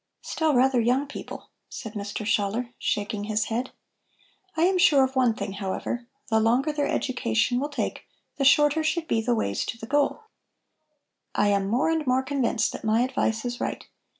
"Still rather young people," said Mr. Schaller, shaking his head. "I am sure of one thing, however. The longer their education will take, the shorter should be the ways to the goal. I am more and more convinced that my advice is right.